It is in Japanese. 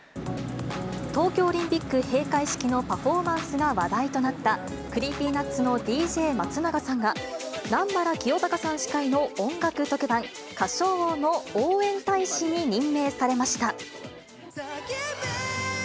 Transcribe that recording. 東京オリンピック閉会式のパフォーマンスが話題となったクリーピーナッツのＤＪ松永さんが、南原清隆さん司会の音楽特番、歌唱王の応援大使に任命されました。